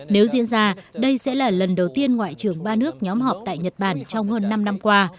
nếu diễn ra đây sẽ là lần đầu tiên ngoại trưởng ba nước nhóm họp tại nhật bản trong hơn năm năm qua